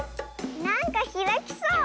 なんかひらきそう。